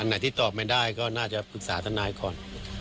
อันไหนที่ไม่ได้ก็น่าจะปรึกษาท่านนายก่อน